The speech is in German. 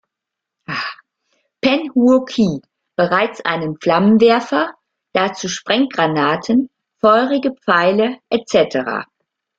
Pen Huo Qi bereits einen Flammenwerfer, dazu Sprenggranaten, feurige Pfeile etc.